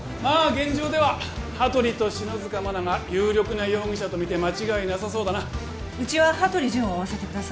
現状では羽鳥と篠塚真菜が有力な容疑者とみて間違いなさそうだなうちは羽鳥潤を追わせてください